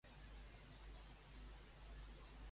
Només alguns, han de tenir el gen i normalment ulls blaus.